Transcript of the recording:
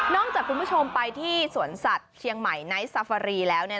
จากคุณผู้ชมไปที่สวนสัตว์เชียงใหม่ไนท์ซาฟารีแล้ว